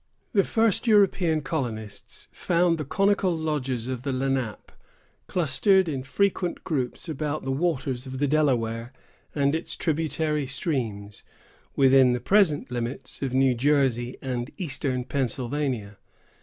The first European colonists found the conical lodges of the Lenape clustered in frequent groups about the waters of the Delaware and its tributary streams, within the present limits of New Jersey, and Eastern Pennsylvania.